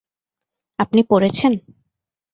আপনি পড়েছেন?